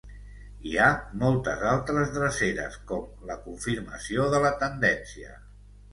Hi ha moltes altres dreceres com la confirmació de la tendència